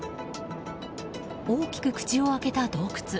大きく口を開けた洞窟。